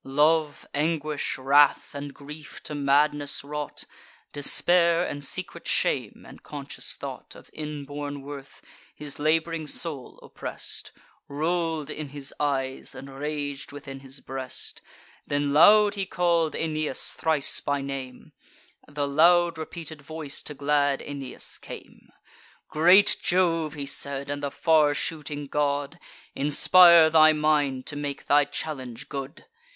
Love, anguish, wrath, and grief, to madness wrought, Despair, and secret shame, and conscious thought Of inborn worth, his lab'ring soul oppress'd, Roll'd in his eyes, and rag'd within his breast. Then loud he call'd Aeneas thrice by name: The loud repeated voice to glad Aeneas came. "Great Jove," he said, "and the far shooting god, Inspire thy mind to make thy challenge good!"